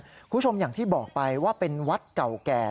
คุณผู้ชมอย่างที่บอกไปว่าเป็นวัดเก่าแก่